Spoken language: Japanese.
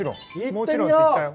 「もちろん」って言ったよ。